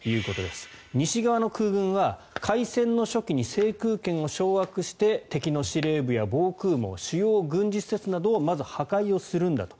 西側の空軍は開戦の初期に制空権を掌握して敵の司令部や防空網主要軍事施設などをまず破壊をするんだと。